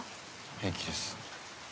平気です。